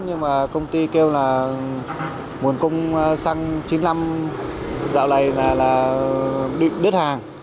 nhưng mà công ty kêu là nguồn cung xăng chín mươi năm dạo này là đứt hàng